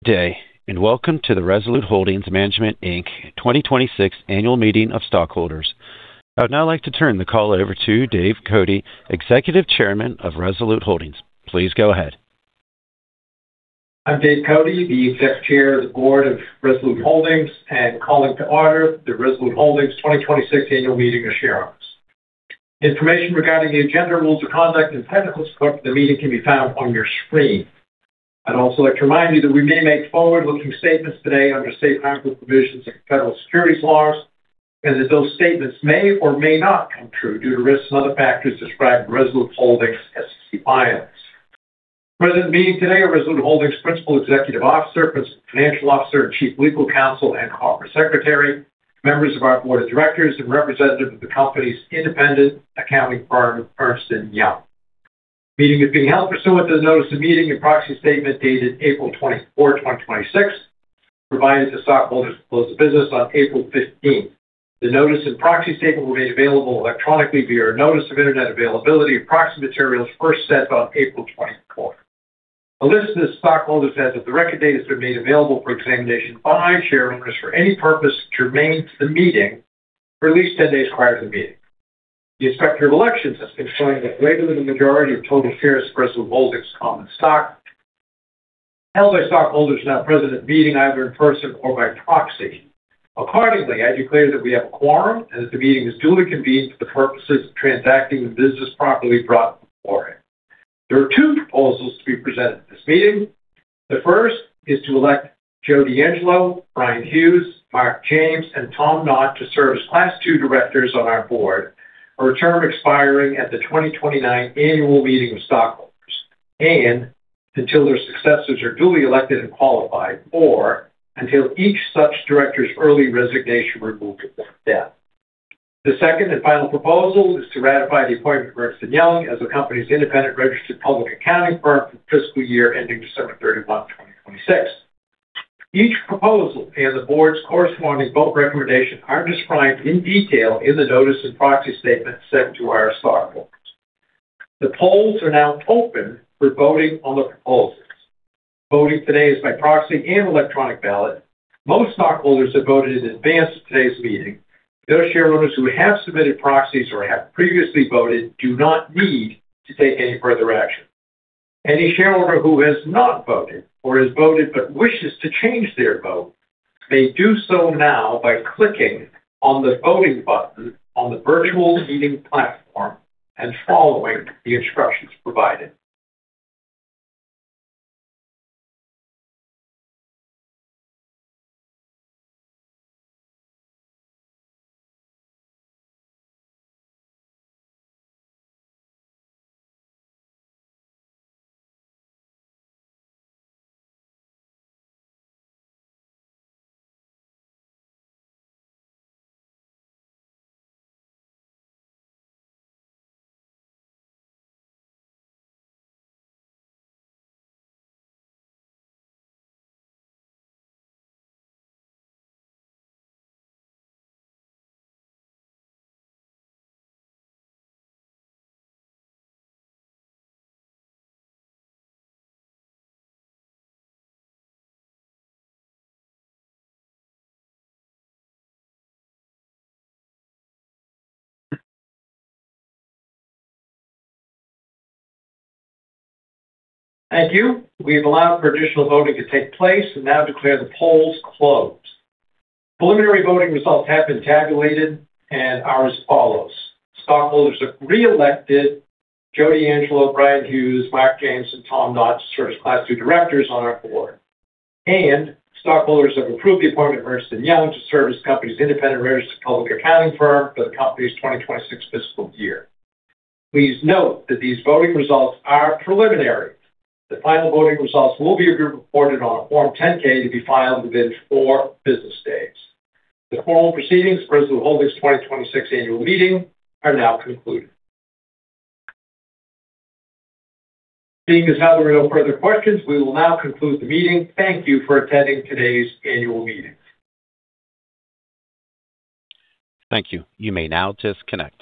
Day, welcome to the Resolute Holdings Management Inc. 2026 annual meeting of stockholders. I would now like to turn the call over to David Cote, Executive Chairman of Resolute Holdings. Please go ahead. I'm David Cote, the Executive Chair of the Board of Resolute Holdings and calling to order the Resolute Holdings 2026 annual meeting of shareholders. Information regarding the agenda, rules of conduct, and technical support for the meeting can be found on your screen. I'd also like to remind you that we may make forward-looking statements today under safe harbor provisions and federal securities laws, and that those statements may or may not come true due to risks and other factors described in Resolute Holdings' SEC filings. Present at the meeting today are Resolute Holdings' principal executive officer, principal financial officer, and chief legal counsel, and corporate secretary, members of our board of directors, and representatives of the company's independent accounting firm, Ernst & Young. The meeting is being held pursuant to the notice of meeting and proxy statement dated April 24, 2026, provided to stockholders through the close of business on April 15. The notice and proxy statement were made available electronically via our notice of Internet availability of proxy materials first sent on April 24. A list of the stockholders as of the record date has been made available for examination by shareholders for any purpose germane to the meeting for at least 10 days prior to the meeting. The Inspector of Elections has confirmed that a requisite majority of total shares of Resolute Holdings' common stock held by stockholders not present at the meeting, either in person or by proxy. Accordingly, I declare that we have a quorum, and that the meeting is duly convened for the purposes of transacting the business properly brought before it. There are two proposals to be presented at this meeting. The first is to elect Joseph DeAngelo, Brian Hughes, Mark James, and Tom Knott to serve as Class II directors on our board for a term expiring at the 2029 annual meeting of stockholders and until their successors are duly elected and qualified or until each such director's early resignation, removal, or death. The second and final proposal is to ratify the appointment of Ernst & Young as the company's independent registered public accounting firm for the fiscal year ending December 31, 2026. Each proposal and the board's corresponding vote recommendation are described in detail in the notice and proxy statement sent to our stockholders. The polls are now open for voting on the proposals. Voting today is by proxy and electronic ballot. Most stockholders have voted in advance of today's meeting. Those shareholders who have submitted proxies or have previously voted do not need to take any further action. Any shareholder who has not voted or has voted but wishes to change their vote may do so now by clicking on the voting button on the virtual meeting platform and following the instructions provided. Thank you. We've allowed for additional voting to take place and now declare the polls closed. Preliminary voting results have been tabulated and are as follows: stockholders have reelected Joseph DeAngelo, Brian Hughes, Mark James, and Tom Knott to serve as Class II directors on our board, and stockholders have approved the appointment of Ernst & Young to serve as the company's independent registered public accounting firm for the company's 2026 fiscal year. Please note that these voting results are preliminary. The final voting results will be reported on a Form 8-K to be filed within four business days. The formal proceedings of Resolute Holdings' 2026 annual meeting are now concluded. Seeing as how there are no further questions, we will now conclude the meeting. Thank you for attending today's annual meeting. Thank you. You may now disconnect.